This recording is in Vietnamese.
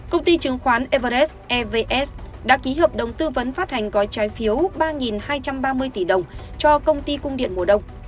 công ty chứng khoán evaes evs đã ký hợp đồng tư vấn phát hành gói trái phiếu ba hai trăm ba mươi tỷ đồng cho công ty cung điện mùa đông